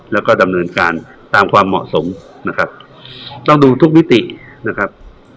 แล้วก็ดำเนินการตามความเหมาะสมนะครับต้องดูทุกมิตินะครับ